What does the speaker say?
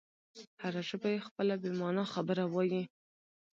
هره ژبه یې خپله بې مانا خبره وایي.